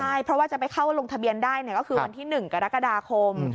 ใช่เพราะว่าจะไปเข้าลงทะเบียนได้ก็คือวันที่๑กรกฎาคม